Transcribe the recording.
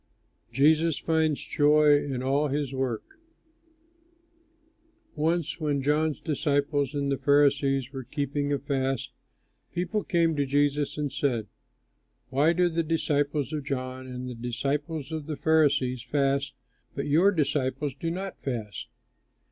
JESUS FINDS JOY IN ALL HIS WORK Once when John's disciples and the Pharisees were keeping a fast, people came to Jesus and said, "Why do the disciples of John and the disciples of the Pharisees fast, but your disciples do not fast?"